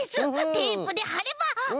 テープではれば。